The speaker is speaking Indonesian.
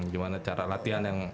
gimana cara latihan yang